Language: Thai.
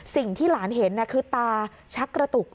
สิ่งที่หลานเห็นคือตาชักกระตุก